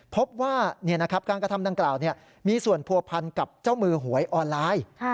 พบว่าการกระทำดังกล่าวมีส่วนผัวพันกับเจ้ามือหวยออนไลน์